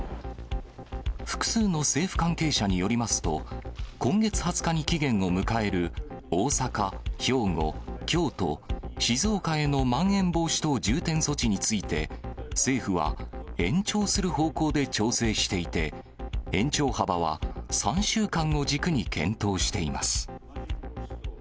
複数の政府関係者によりますと、今月２０日に期限を迎える大阪、兵庫、京都、静岡へのまん延防止等重点措置について、政府は延長する方向で調整していて、延長幅は３週間を軸に検討しています。